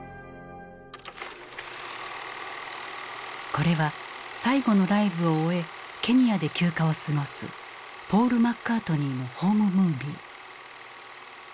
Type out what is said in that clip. これは最後のライブを終えケニアで休暇を過ごすポール・マッカートニーのホームムービー。